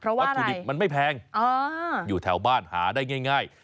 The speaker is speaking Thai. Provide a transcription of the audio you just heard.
เพราะว่าผู้ดิบมันไม่แพงอยู่แถวบ้านหาได้ง่าย